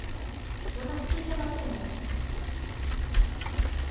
私聞いてませんよ。